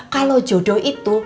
kalau jodoh itu